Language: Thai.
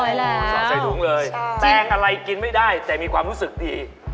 เรียบร้อยแล้วเสียดุ้งเลยแปลงอะไรกินไม่ได้แต่มีความรู้สึกดี